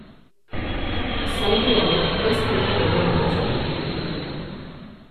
Zaldi hauek ez dira gobernatzen.